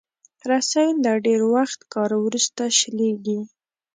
رسۍ له ډېر وخت کار وروسته شلېږي.